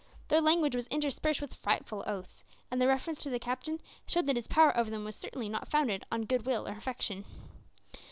Their language was interspersed with frightful oaths, and their references to the captain showed that his power over them was certainly not founded on goodwill or affection.